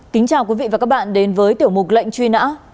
kính chào quý vị và các bạn đến với tiểu mục lệnh truy nã